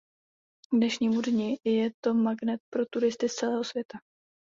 K dnešnímu dni je to magnet pro turisty z celého světa.